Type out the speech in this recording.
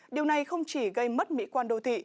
điều này không chỉ gây mất mỹ quan đô thị